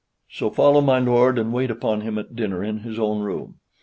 "So, follow my lord and wait upon him at dinner in his own room."